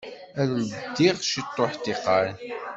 Ad ldiɣ ciṭuḥ ṭṭiqan.